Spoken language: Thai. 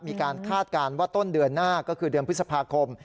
คาดการณ์ว่าต้นเดือนหน้าก็คือเดือนพฤษภาคม